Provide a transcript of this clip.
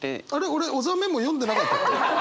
俺小沢メモ読んでなかったっけ？